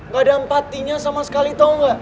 gak ada empatinya sama sekali tau gak